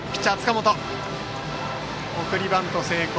送りバント成功。